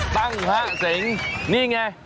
ตั้งหาเสียงนี่ไง